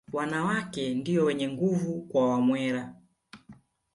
Wanawake ndio wenye nguvu kwa Wamwera